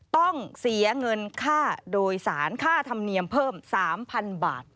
ต้องเสียเงินค่าโดยสารค่าธรรมเนียมเพิ่ม๓๐๐๐บาท